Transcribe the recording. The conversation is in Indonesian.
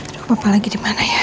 duh papa lagi dimana ya